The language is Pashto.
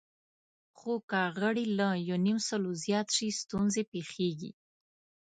خو که غړي له یونیمسلو زیات شي، ستونزې پېښېږي.